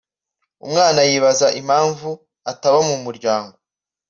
umwana yibaza impamvu ataba mu muryango